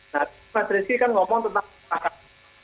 nah mas rizky kan ngomong tentang masalah